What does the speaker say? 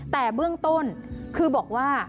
แต่เบื้องต้นคือบอกว่า